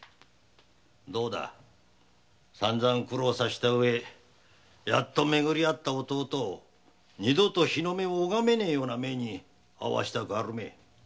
どうださんざん苦労させたうえやっとめぐりあった弟を二度と日の目を拝めねえような目に遭わせたくはあるめえ。